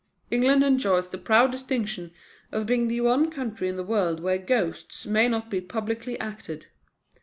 England enjoys the proud distinction of being the one country in the world where Ghosts may not be publicly acted.